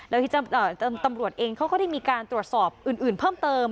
แล้วที่ตำรวจเองเขาก็ได้มีการตรวจสอบอื่นเพิ่มเติม